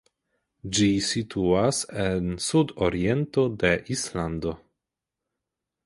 Ĝi situas en sudoriento de Islando.